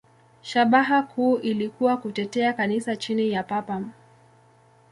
Shabaha kuu ilikuwa kutetea Kanisa chini ya Papa.